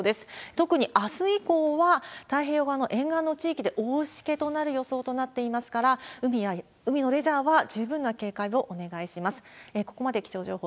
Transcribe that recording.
特にあす以降は、太平洋側の沿岸の地域で大しけとなる予想となっていますから、海のレジャーは十分な警戒をお願いします。